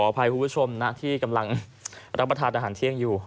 อภัยคุณผู้ชมนะที่กำลังรับประทานอาหารเที่ยงอยู่